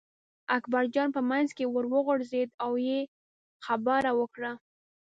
اکبرجان په منځ کې ور وغورځېد او یې خبره وکړه.